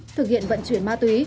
thực hiện vận chuyển ma túy